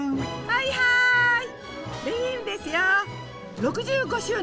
はいはい。